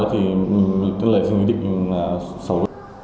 thì tương lợi xứng định định là xấu